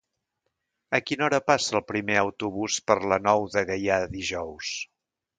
A quina hora passa el primer autobús per la Nou de Gaià dijous?